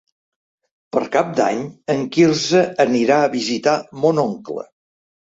Per Cap d'Any en Quirze anirà a visitar mon oncle.